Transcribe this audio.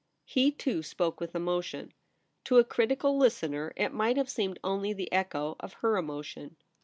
He, too, spoke with emotion. To a critical listener it might have seemed only the echo of her emotion.